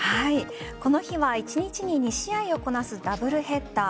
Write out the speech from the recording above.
この日は一日に２試合をこなすダブルヘッダー。